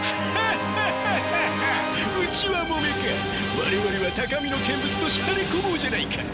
我々は高みの見物としゃれ込もうじゃないか。